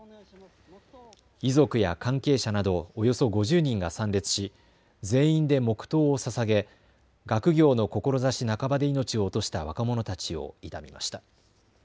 遺族や関係者などおよそ５０人が参列し全員で黙とうをささげ学業の志半ばで命を落とした若者たちを悼みました。